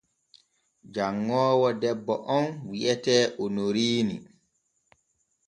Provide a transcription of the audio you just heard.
Janŋoowo debbo on wi’etee Onoriini.